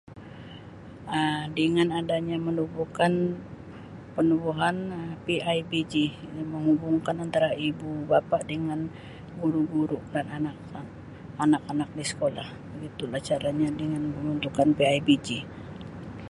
Um Dengan ada nya menubuhkan penubuhan PIBG yang menghubungkan antara ibu-bapa dengan guru-guru dan anak anak-anak di sekolah begitu lah cara nya dengan menubuhkan PIBG.